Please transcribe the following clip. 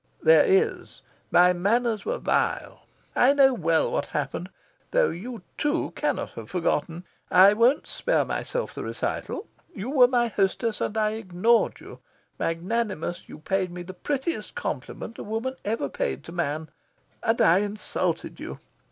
"There is. My manners were vile. I know well what happened. Though you, too, cannot have forgotten, I won't spare myself the recital. You were my hostess, and I ignored you. Magnanimous, you paid me the prettiest compliment woman ever paid to man, and I insulted you.